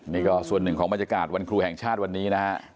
นี่ก็ส่วนหนึ่งของบรรยากาศวันครูแห่งชาติวันนี้นะฮะ